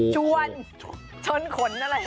ชวนชนขนอะไร